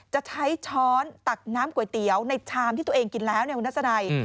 จะใช้ช้อนตักน้ำก๋วยเตี๋ยวในชามที่ตัวเองกินแล้วเนี่ยคุณทัศนัย